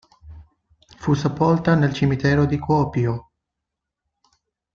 Fu sepolta nel cimitero di Kuopio.